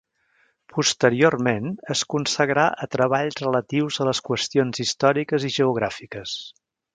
Posteriorment es consagrà a treballs relatius a les qüestions històriques i geogràfiques.